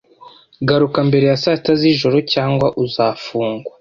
Garuka mbere ya saa sita z'ijoro, cyangwa uzafungwa.